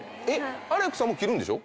アレクさんも切るんでしょ？